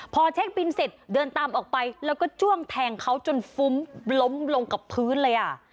พอเช็คบินเสร็จเดินตามออกไปแล้วก็จ้วงแทงเขาจนฟุ้มล้มลงกับพื้นเลยอ่ะ